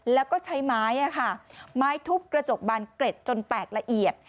แล้วก็ใช้ไม้ไม้ทุบกระจกบานเกร็ดจนแตกละเอียด